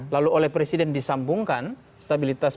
lalu oleh presiden disambungkan stabilitas